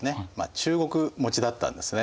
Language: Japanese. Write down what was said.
中国持ちだったんですね。